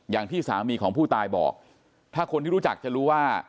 อย่างที่สามีของผู้ตายบอกถ้าคนที่รู้จักจะรู้ว่า